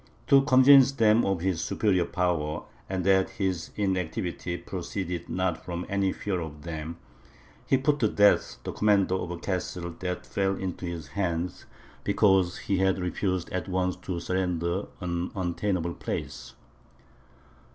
To convince them of his superior power, and that his inactivity proceeded not from any fear of them, he put to death the commander of a castle that fell into his hands, because he had refused at once to surrender an untenable place.